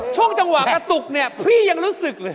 ช่วงจังหวะประตุกพี่ยังรู้สึก